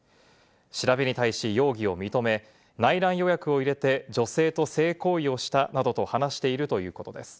調べに対し容疑を認め、内覧予約を入れて女性と性行為をしたなどと話しているということです。